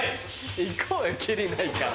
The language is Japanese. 行こうよキリないから。